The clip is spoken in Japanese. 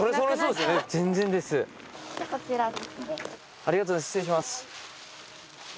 ありがとうございます。